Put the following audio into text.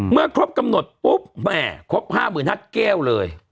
ครบกำหนดปุ๊บแหมครบ๕๕๐๐แก้วเลย